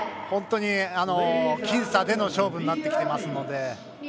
本当に僅差での勝負になってきていますので。